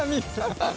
ハハハッ。